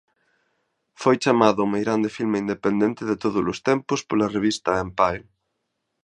Foi chamado o "Meirande Filme Independente de Tódolos Tempos" pola revista "Empire".